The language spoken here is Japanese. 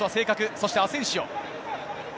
そしてアセンシオ。